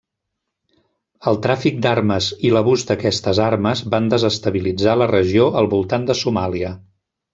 El tràfic d'armes i l'abús d'aquestes armes van desestabilitzar la regió al voltant de Somàlia.